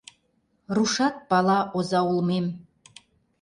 Рушат пала оза улмем.